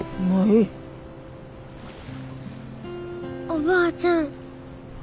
おばあちゃん